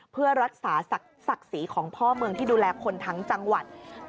เพื่อรักษาศักดิ์ศรีของพ่อเมืองที่ดูแลคนทั้งจังหวัด